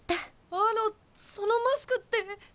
あのそのマスクって。